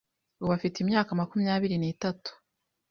ubu afite imyaka makumyabiri nitatu